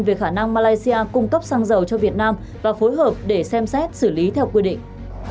về khả năng malaysia cung cấp xăng dầu cho việt nam và phối hợp để xem xét xử lý theo quy định